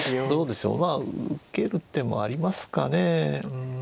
どうでしょう受ける手もありますかね。